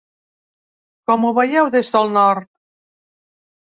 Com ho veieu des del nord?